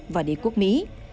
và đế quốc mỹ